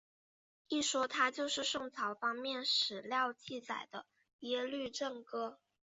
一说他就是宋朝方面史料记载的耶律郑哥。